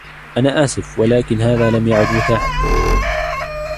أنا آسف ، ولكن هذا لم يعد متاحاً.